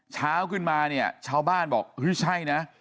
เช้าขึ้นมาเนี่ยชาวบ้านบอกเฮ้ยใช่นะ